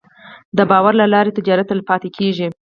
د باور له لارې تجارت تلپاتې کېږي.